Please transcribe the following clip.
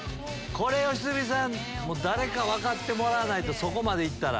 良純さん分かってもらわないとそこまで行ったら。